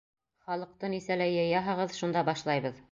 Халыҡты нисәлә йыяһығыҙ, шунда башлайбыҙ.